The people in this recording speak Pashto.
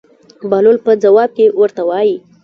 بهلول په ځواب کې ورته وایي.